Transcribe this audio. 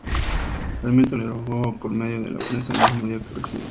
Sarmiento la refutó por medio de la prensa el mismo día que la recibió.